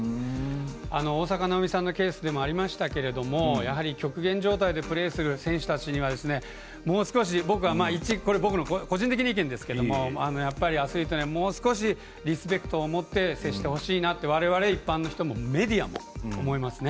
大坂なおみさんのケースでもありましたけどやはり極限状態でプレーする選手たちにはもう少し僕は、これは個人的な意見ですけどもアスリートにはもう少しリスペクトを持って接してほしいなってわれわれ、一般の人もメディアも思いますね。